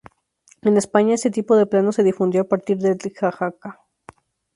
En España este tipo de plano se difundió a partir del de Jaca.